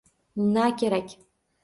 Na kerak